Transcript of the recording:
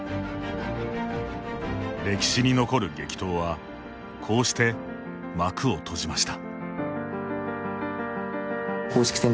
歴史に残る激闘はこうして幕を閉じました。